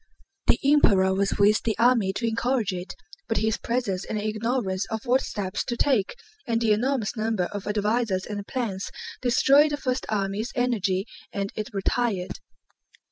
The Emperor was with the army to encourage it, but his presence and ignorance of what steps to take, and the enormous number of advisers and plans, destroyed the first army's energy and it retired.